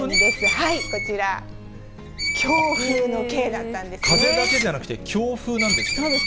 こちら、風だけじゃなくて、強風なんそうですね。